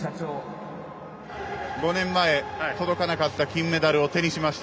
５年前届かなかった金メダルを手にしました。